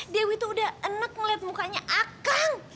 dewi itu udah enak ngeliat mukanya akang